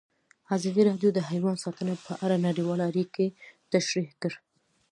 ازادي راډیو د حیوان ساتنه په اړه نړیوالې اړیکې تشریح کړي.